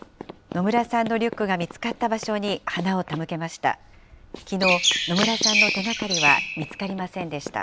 野村さんのリュックが見つかった場所に花を手向けました。